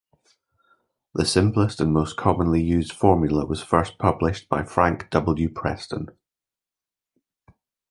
The simplest and most commonly used formula was first published by Frank W. Preston.